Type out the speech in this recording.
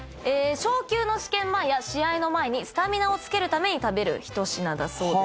昇級の試験前や試合の前にスタミナをつけるために食べる一品だそうです。